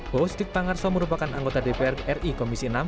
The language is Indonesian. bowo sidik pangarso merupakan anggota dpr ri komisi enam